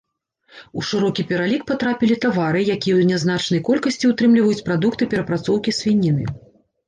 У шырокі пералік патрапілі тавары, якія ў нязначнай колькасці ўтрымліваюць прадукты перапрацоўкі свініны.